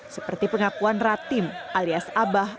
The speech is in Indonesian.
seperti pengakuan ratim alias abah